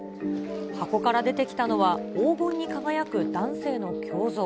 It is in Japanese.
箱から出てきたのは、黄金に輝く男性の胸像。